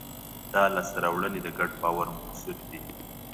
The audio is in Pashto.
دا لاستهراوړنې د ګډ باور محصول دي.